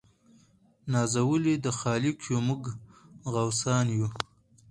نازولي د خالق یو موږ غوثان یو